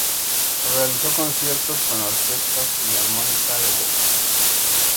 Realizó conciertos con la Orquesta Filarmónica de Bogotá.